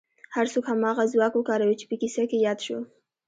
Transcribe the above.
هر څوک هماغه ځواک وکاروي چې په کيسه کې ياد شو.